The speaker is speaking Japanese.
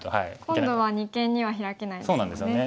白は今度は二間にはヒラけないんですよね。